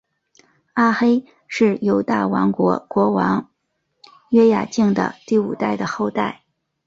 阿黑是犹大王国国王约雅敬的第五代的后代。